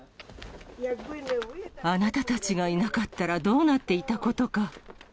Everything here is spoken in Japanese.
あなたたちがいなかったら、どうなっていたことか。